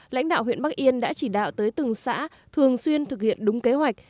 lãnh đạo huyện bắc yên đã chỉ đạo tới từng xã thường xuyên thực hiện đúng kế hoạch